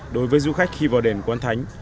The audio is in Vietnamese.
đối với du khách khi vào đền quán thánh